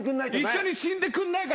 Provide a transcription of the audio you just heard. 一緒に死んでくんないから。